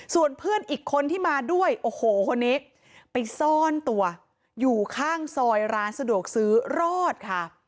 ส่วนเพื่อนอีกคนที่มาด้วยโอ้โหคนนี้ไปซ่อนตัวอยู่ข้างซอยร้านสะดวกซื้อรอดค่ะ